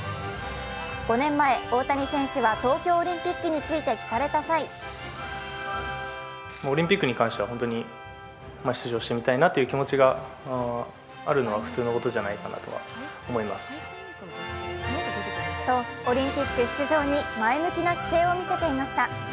５年前、大谷選手は東京オリンピックについて聞かれた際とオリンピック出場に前向きな姿勢を見せていました。